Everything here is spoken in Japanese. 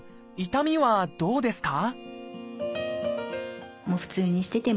痛みはどうですか？